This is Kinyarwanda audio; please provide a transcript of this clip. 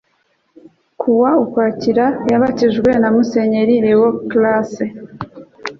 ku wa ukwakira yabatijwe na musenyeri léon classe